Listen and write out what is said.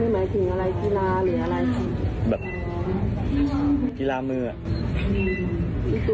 คำนี้หมายถึงอะไรกีฬาหรืออะไร